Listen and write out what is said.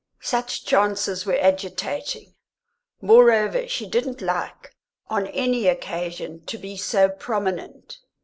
Such chances were agitating; moreover, she didn't like, on any occasion, to be so prominent.